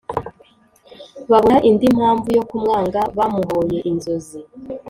Babona indi mpamvu yo kumwanga bamuhoye inzozi